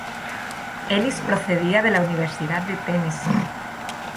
Ellis procedía de la Universidad de Tennessee.